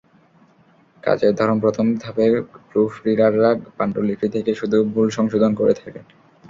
কাজের ধরনপ্রথম ধাপে প্রুফ রিডাররা পাণ্ডুলিপি থেকে শুধু ভুল সংশোধন করে থাকেন।